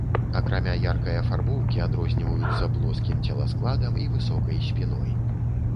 Акрамя яркай афарбоўкі, адрозніваюцца плоскім целаскладам і высокай спіной.